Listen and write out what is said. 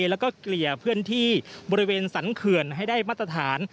แล้วก็เกลี่ยเคลื่อนที่บริเวณสรรเขื่อนให้ได้มาตรฐาน